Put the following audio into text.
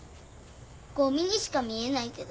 ゴミにしか見えないけど。